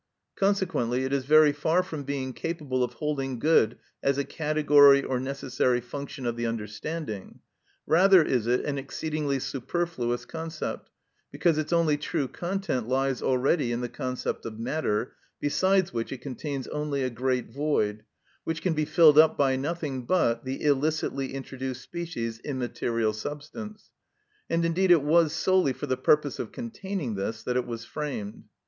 Consequently, it is very far from being capable of holding good as a category or necessary function of the understanding; rather is it an exceedingly superfluous concept, because its only true content lies already in the concept of matter, besides which it contains only a great void, which can be filled up by nothing but the illicitly introduced species immaterial substance; and, indeed, it was solely for the purpose of containing this that it was framed.